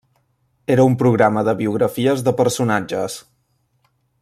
Era un programa de biografies de personatges.